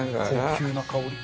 高級な香り。